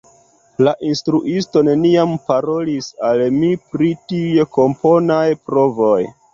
La instruisto neniam parolis al mi pri tiuj komponaj provoj.